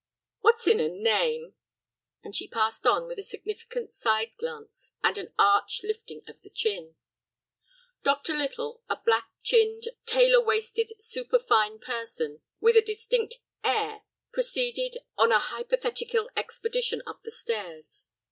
"What's in a name!" and she passed on with a significant side glance and an arch lifting of the chin. Dr. Little, a black chinned, tailor waisted, superfine person, with a distinct "air," proceeded on a hypothetical expedition up the stairs.